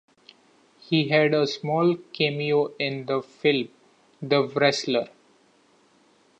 He had a small cameo in the film "The Wrestler".